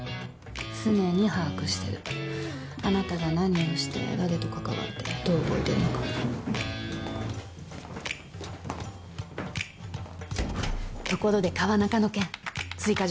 常に把握してるあなたが何をして誰と関わってどう動いてるのかところで川中の件追加